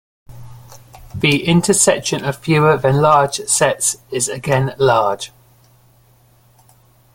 The intersection of fewer than large sets is again large.